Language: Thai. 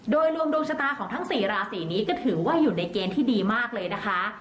โดยรวมดวงชะตาของทั้ง๔ราศีนี้ก็ถือว่าอยู่ในเกณฑ์ที่ดีมากเลยนะคะ